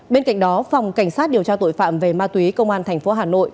bên cạnh đó phòng cảnh sát điều tra tội phạm về ma túy công an tp hà nội